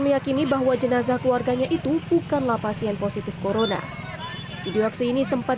meyakini bahwa jenazah keluarganya itu bukanlah pasien positif corona video aksi ini sempat